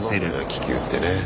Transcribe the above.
気球ってね。